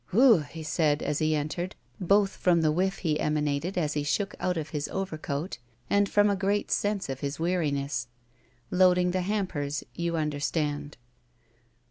"Whew!" he said, as he entered, both from the whiS he emanated as he shook out of his overcoat, and from a great sense of his weariness. Loading the hampers, you understand.